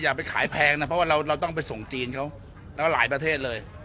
ไปขายแพงนะเพราะว่าเราต้องไปส่งจีนเขาแล้วหลายประเทศเลย